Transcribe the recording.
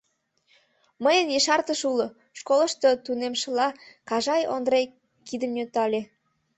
— Мыйын ешартыш уло! — школышто тунемшыла Кажай Ондре кидым нӧлтале.